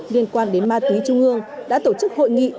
liên quan đến ma túy trung ương đã tổ chức hội nghị